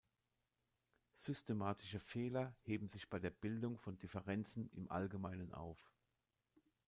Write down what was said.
Systematische Fehler heben sich bei der Bildung von Differenzen im Allgemeinen auf.